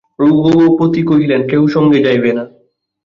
রঘুপতি কহিলেন, কেহ সঙ্গে যাইবে না।